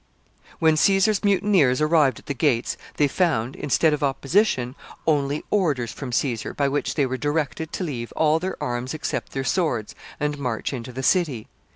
] When Caesar's mutineers arrived at the gates, they found, instead of opposition, only orders from Caesar, by which they were directed to leave all their arms except their swords, and march into the city.